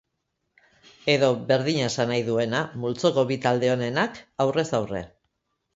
Edo berdina esan nahi duena, multzoko bi talde onenak aurrez aurre.